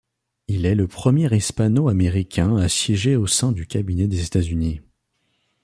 Il est le premier Hispano-Américain à siéger au sein du cabinet des États-Unis.